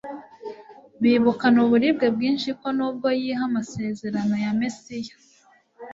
Bibukana uburibwe bwinshi ko nubwo yiha amasezerano ya Mesiya